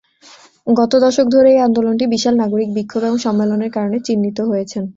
গত দশক ধরে এই আন্দোলনটি বিশাল নাগরিক বিক্ষোভ এবং সম্মেলনের কারণে চিহ্নিত হয়েছে।